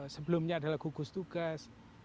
sebelumnya adalah gugus tugas